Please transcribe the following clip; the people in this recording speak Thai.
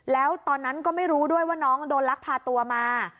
แล้วตอนนั้นก็ไม่รู้ด้วยว่าน้องโดนลักพาตัวมา